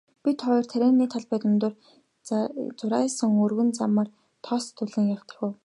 Бид хоёр тарианы талбай дундуур зурайсан өргөн замаар тоос татуулан давхив.